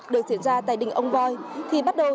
được diễn ra tại đình ông voi thì bắt đầu